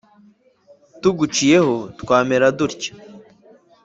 tugiciyeho twamera dutya, “